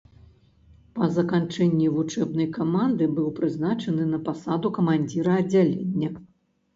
Па заканчэнні вучэбнай каманды быў прызначаны на пасаду камандзіра аддзялення.